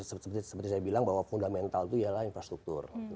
seperti saya bilang bahwa fundamental itu ialah infrastruktur